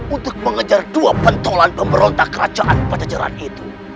untuk mengejar dua pentolan pemberontak kerajaan pajajaran itu